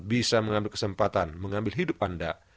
bisa mengambil kesempatan mengambil hidup anda